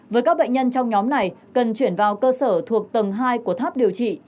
với các bệnh nhân trong nhóm này cần chuyển vào cơ sở thuộc tầng hai của tháp điều trị